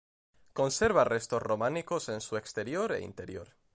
Conserva restos románicos en su exterior e interior.